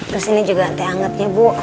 terus ini juga teh angetnya bu